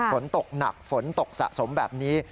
ฝนตกหนักฝนตกสะสมแบบนี้